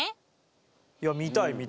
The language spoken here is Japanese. いや見たい見たい。